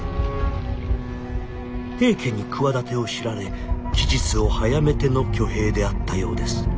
「平家に企てを知られ期日を早めての挙兵であったようです」。